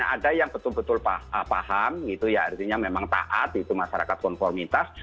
ada yang betul betul paham artinya memang taat masyarakat konformitas